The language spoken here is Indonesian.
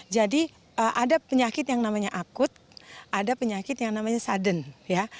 jadi ada penyakit yang namanya akut ada penyakit yang namanya sudden ya